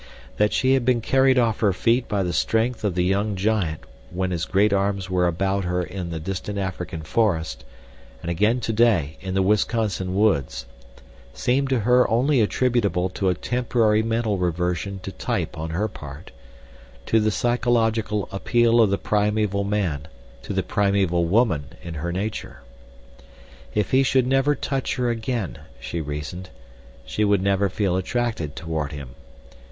That she had been carried off her feet by the strength of the young giant when his great arms were about her in the distant African forest, and again today, in the Wisconsin woods, seemed to her only attributable to a temporary mental reversion to type on her part—to the psychological appeal of the primeval man to the primeval woman in her nature. If he should never touch her again, she reasoned, she would never feel attracted toward him.